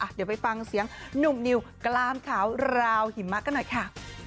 เดี๋ยวไปฟังเสียงหนุ่มนิวกล้ามขาวราวหิมะกันหน่อยค่ะ